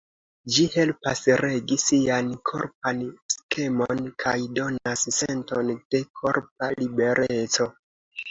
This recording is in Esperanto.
Ĝi helpas regi sian korpan skemon kaj donas senton de korpa libereco.